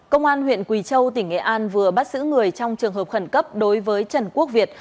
công an huyện quỳ châu tỉnh nghệ an vừa bắt giữ người trong trường hợp khẩn cấp đối với trần quốc việt